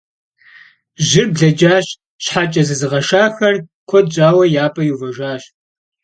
Жьыр блэкӀащ, щхьэкӀэ зызыгъэшахэр куэд щӀауэ я пӀэ иувэжащ.